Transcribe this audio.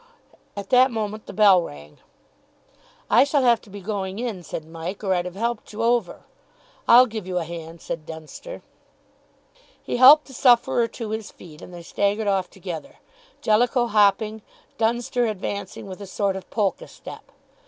At that moment the bell rang. "I shall have to be going in," said Mike, "or I'd have helped you over." "I'll give you a hand," said Dunster. He helped the sufferer to his feet and they staggered off together, Jellicoe hopping, Dunster advancing with a sort of polka step.